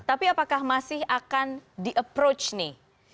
tapi apakah masih akan di approach nih